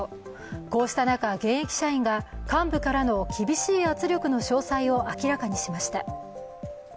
こうした中、現役社員が幹部からの厳しい圧力の詳細を明らかにしました。